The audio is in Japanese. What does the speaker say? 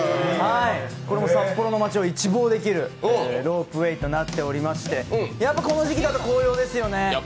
これも札幌の街を一望できるロープウェイとなっていまして、この時期だと紅葉ですよね。